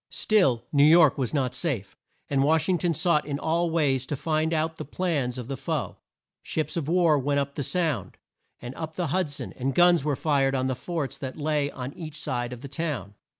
Still, New York was not safe; and Wash ing ton sought in all ways to find out the plans of the foe. Ships of war went up the Sound, and up the Hud son, and guns were fired on the forts that lay on each side of the town.